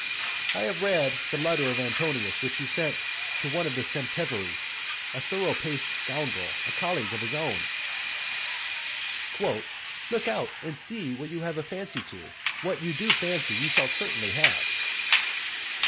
I have read the letter of Antonius which he sent to one of the septemviri, a thoroughpaced scoundrel, a colleague of his own, "Look out, and see what you take a fancy to, what you do fancy you shall certainly have".